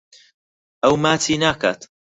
ئەو ماچی ناکات.